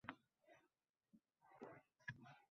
O‘zbekistonda ikkilamchi bozorda avtomobillar narxi ko‘tarildi